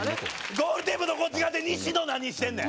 ゴールテープのこっち側で西野、何してんねん！